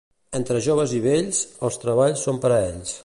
Entre joves i vells, els treballs són per a ells.